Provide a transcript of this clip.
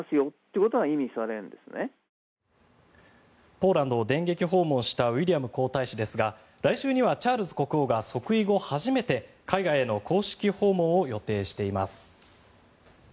ポーランドを電撃訪問したウィリアム皇太子ですが来週にはチャールズ国王が即位後初めて海外への公式訪問を予定しています。